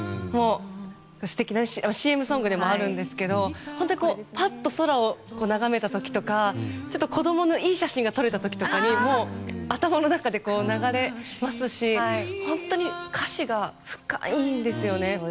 素敵だしＣＭソングでもあるんですけど本当にパッと空を眺めた時とかちょっと子供のいい写真が撮れた時とかに頭の中で流れますし本当に歌詞が深いんですよね。